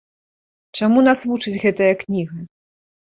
Чаму нас вучыць гэтая кніга?